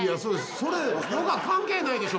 それヨガ関係ないでしょ？